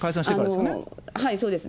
そうです。